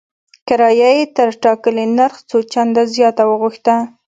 کرایه یې تر ټاکلي نرخ څو چنده زیاته وغوښته.